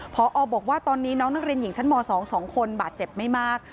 พอบอกว่าตอนนี้น้องนักเรียนหญิงชั้นม๒๒คนบาดเจ็บไม่มาก